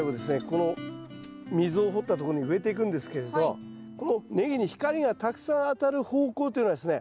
この溝を掘ったところに植えていくんですけれどこのネギに光がたくさん当たる方向というのはですね